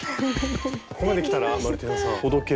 ここまできたらマルティナさんほどける？